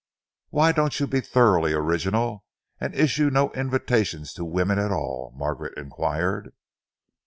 "Why don't you be thoroughly original and issue no invitations to women at all?" Margaret enquired.